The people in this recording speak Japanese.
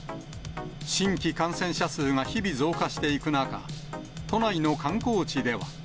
新規感染者数が日々増加していく中、都内の観光地では。